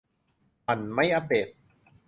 มันไม่อัปเดต